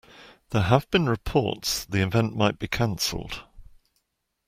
There have been reports the event might be canceled.